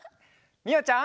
みおちゃん。